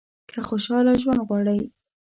که خوشاله ژوند غواړئ .